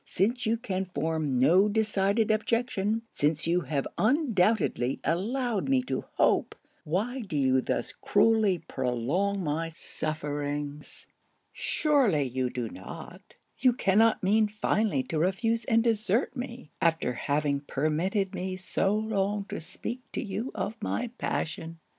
Since you can form no decided objection; since you have undoubtedly allowed me to hope; why do you thus cruelly prolong my sufferings? Surely you do not, you cannot mean finally to refuse and desert me, after having permitted me so long to speak to you of my passion?'